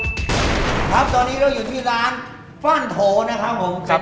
ครับตอนนี้เราอยู่ที่ร้านฟ้านโถนะครับผม